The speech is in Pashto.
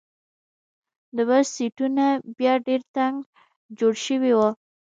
د بس سیټونه بیا ډېر تنګ جوړ شوي وو.